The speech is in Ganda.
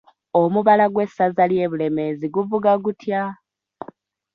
Omubala gw'Essaza ly'Ebulemeezi guvuga gutya?